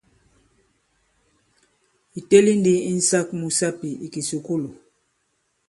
Ì teli ndi insāk mu sapì i kìsùkulù.